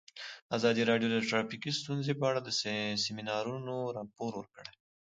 ازادي راډیو د ټرافیکي ستونزې په اړه د سیمینارونو راپورونه ورکړي.